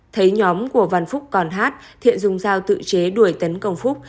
thấy nhóm của văn phúc còn hát thiện dùng dao tự chế đuổi tấn công phúc